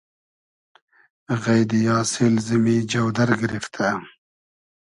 غݷدی آسیل زیمی جۆدئر گیریفتۂ